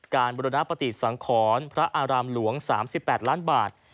บุรณปฏิสังขรพระอารามหลวง๓๘ล้านบาท